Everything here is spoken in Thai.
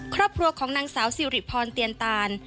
ครอบครัวของนางสาวสิริพรเตียนตาน